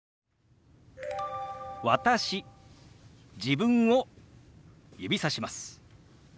自分を指さします。